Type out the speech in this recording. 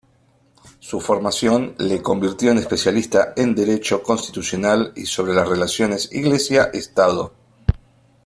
Su formación le convirtió en especialista en derecho constitucional y sobre las relaciones Iglesia-Estado.